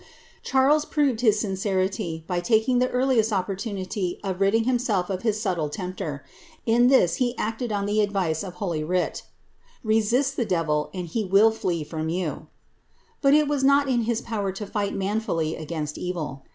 Charles proved his sincerity, by taking the earliest opportimitT of ridding himself of his subtle tempter. In this he acted on the advice [. of holy writ —^ Resist the devil, and he will flee from you ;" but it wM t not in his power to fight manfully against evil.